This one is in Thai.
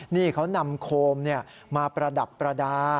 นี่เขานำโคมมาประดับประดาษ